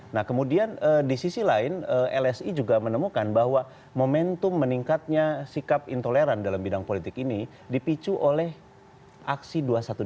nah kemudian di sisi lain lsi juga menemukan bahwa momentum meningkatnya sikap intoleran dalam bidang politik ini dipicu oleh aksi dua ratus dua belas